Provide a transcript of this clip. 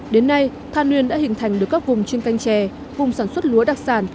đến nay tha nguyên đã hình thành được các vùng trên canh chè vùng sản xuất lúa đặc sản